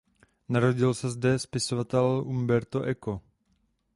Narodil se zde spisovatel Umberto Eco.